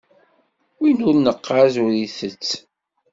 Win ur neqqaz ur itett.